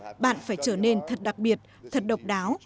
chính vì vậy bạn phải trở nên thật đặc biệt thật độc đáo